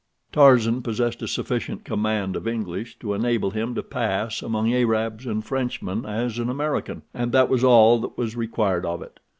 Tarzan possessed a sufficient command of English to enable him to pass among Arabs and Frenchmen as an American, and that was all that was required of it.